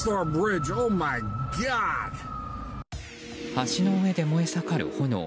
橋の上で燃え盛る炎。